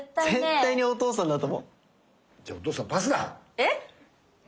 ⁉えっ⁉